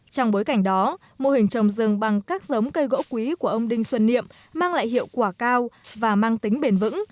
trong bối cảnh đó mô hình trồng rừng bằng các giống cây gỗ quý của ông đinh xuân niệm mang lại hiệu quả cao và mang tính bền vững